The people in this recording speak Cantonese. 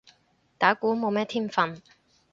打鼓冇咩天份